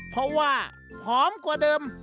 เพราะว่าหอมกว่าเดิม